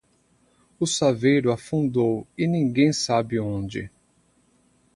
O saveiro afundou e ninguém sabe onde.